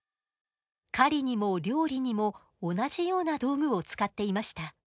狩りにも料理にも同じような道具を使っていました。